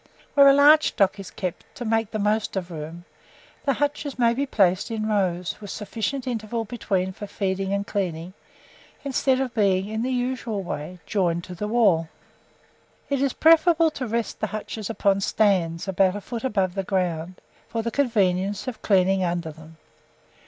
Where a large stock is kept, to make the most of room, the hutches may be placed in rows, with a sufficient interval between for feeding and cleaning, instead of being, in the usual way, joined to the wall. It is preferable to rest the hutches upon stands, about a foot above the ground, for the convenience of cleaning under them.